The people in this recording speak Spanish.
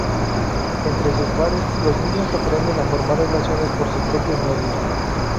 Entre sus pares, los niños aprenden a formar relaciones por sus propios medios.